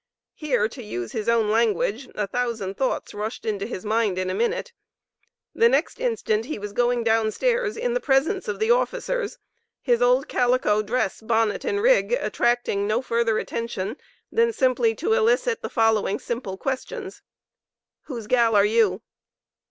Here, to use his own language, a "thousand thoughts" rushed into his mind in a minute. The next instant he was going down stairs in the presence of the officers, his old calico dress, bonnet and rig, attracting no further attention than simply to elicit the following simple questions: "Whose gal are you?"